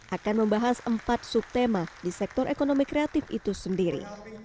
akan membahas empat subtema di sektor ekonomi kreatif itu sendiri